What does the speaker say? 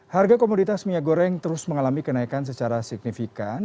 harga komoditas minyak goreng terus mengalami kenaikan secara signifikan